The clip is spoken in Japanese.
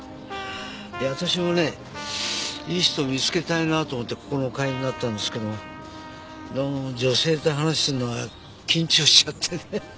いや私もねいい人を見つけたいなと思ってここの会員になったんですけどどうも女性と話をするのは緊張しちゃってね。